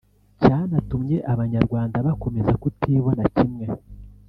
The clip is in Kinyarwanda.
cyanatumye Abanyarwanda bakomeza kutibona kimwe